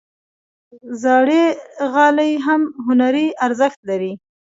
زاړه غالۍ هم هنري ارزښت لري.